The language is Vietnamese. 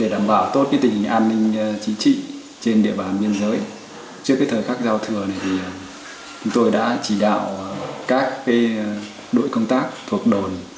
để đảm bảo tốt cái tình hình an ninh chính trị trên địa bàn biên giới trước cái thời khắc giao thừa này thì tôi đã chỉ đạo các đội công tác thuộc đồn